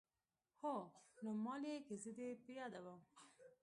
هو نو مالې که زه دې په ياده وم.